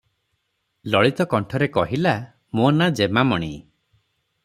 ଲଳିତ କଣ୍ଠରେ କହଲା-“ମୋ' ନାଁ ଯେମାମଣି ।"